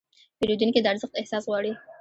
پیرودونکي د ارزښت احساس غواړي.